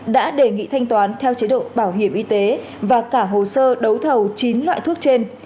đã đề nghị thanh toán theo chế độ bảo hiểm y tế và cả hồ sơ đấu thầu chín loại thuốc trên